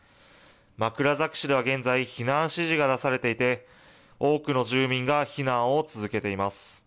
枕崎市では現在、避難指示が出されていて、多くの住民が避難を続けています。